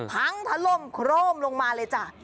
พังทะล่มโคร่มลงมาเลยจ้ะ